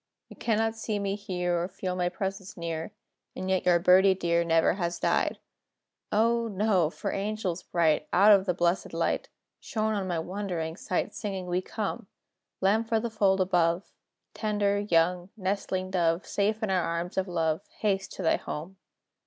You cannot see me here, Or feel my presence near, And yet your "Birdie" dear Never has died. O, no! for angels bright, Out of the blesséd light, Shone on my wondering sight, Singing, "We come! Lamb for the fold above Tender, young, nestling dove Safe in our arms of love, Haste to thy home."